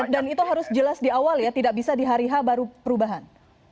dan itu harus jelas di awal ya tidak bisa di hari h baru perubahan